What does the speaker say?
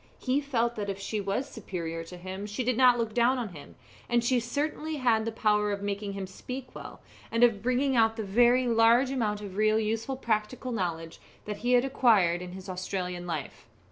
He felt that if she was superior to him she did not look down on him; and she certainly had the power of making him speak well, and of bringing out the very large amount of real useful practical knowledge that he had acquired in his Australian life.